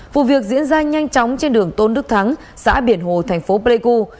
vụ việc diễn ra nhanh chóng trên đường tôn đức thắng xã biển hồ thành phố pleiku